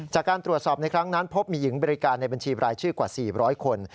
จากการตรวจสอบในครั้งนั้นพบมีหญิงบริการในบัญชีบรายชื่อกว่า๔๐๐คน